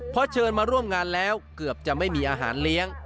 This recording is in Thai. เพราะเชิญมาร่วมงานแล้วเกือบจะไม่มีอาหารเลี้ยง